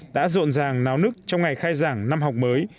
đã rộn ràng náo nức trong ngày khai giảng năm học mới